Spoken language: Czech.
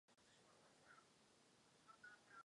Souhlasím s návrhem pana zpravodaje o uzavření této dohody.